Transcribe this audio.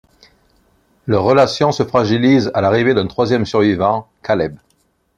Leur relation se fragilise à l'arrivée d'un troisième survivant, Caleb.